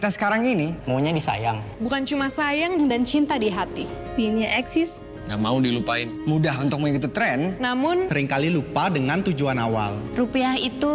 sampai jumpa di video selanjutnya